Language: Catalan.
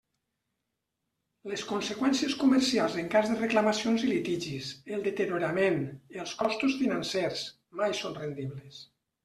Les conseqüències comercials en cas de reclamacions i litigis, el deteriorament, els costos financers, mai són rendibles.